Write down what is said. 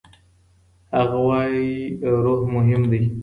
هغه وايي روح مهم دی.